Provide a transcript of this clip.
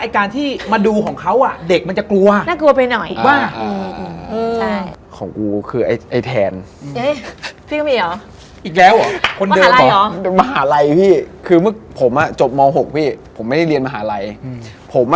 ครั้งเดียว